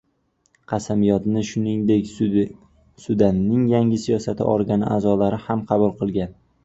Qasamyodni, shuningdek, Sudanning yangi siyosiy organi a’zolari ham qabul qilgan